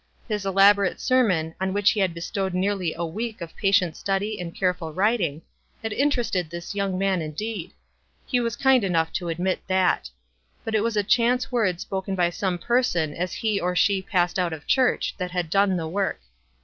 His elaborate sermon, on which he had bestowed nearly a week o x ' patient study and careful writing, had inter ested this young man indeed — he was kind enough to admit that ; but it was a chance word spoken by some person as he or she passed out of church that had done the work.